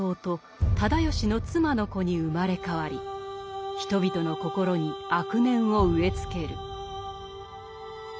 直義の妻の子に生まれ変わり人々の心に悪念を植え付ける。